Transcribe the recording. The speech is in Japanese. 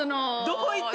どこ行った？